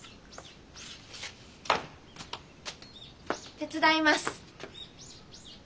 手伝います。